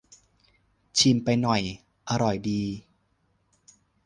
ชิมไปหน่อย อร่อยดี